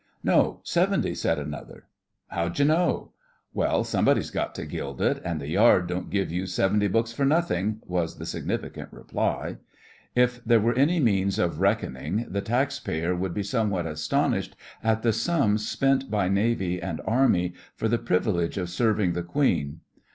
'No. Seventy,' said another. 'How d'you know?' 'Well, somebody's got to gild it, and the Yard don't give you seventy books for nothing,' was the significant reply. If there were any means of reckoning, the tax payer would be somewhat astonished at the sums spent by Navy and Army for the privilege of serving the Queen.